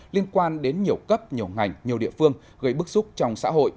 liên quan đến nhiều cấp nhiều ngành nhiều địa phương gây bức xúc trong xã hội